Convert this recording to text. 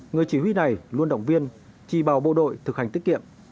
người chỉ huy này luôn động viên trì bào bộ đội thực hành tiết kiệm